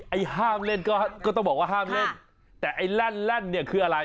ไอ้ห้ามเล่นก็ต้องบอกว่าห้ามเล่นแต่ไอ้แล่นแล่นเนี่ยคืออะไร